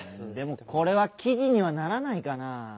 でもこれはきじにはならないかなぁ。